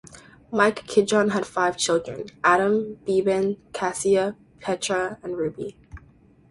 Mike Kidron had five children; Adam, Beeban, Cassia, Petra and Ruby.